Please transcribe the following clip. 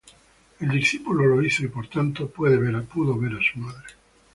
El discípulo lo hizo y, por tanto, pudo ver a su madre.